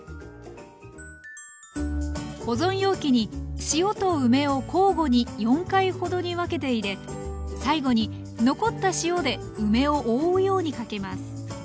保存容器に塩と梅を交互に４回ほどに分けて入れ最後に残った塩で梅を覆うようにかけます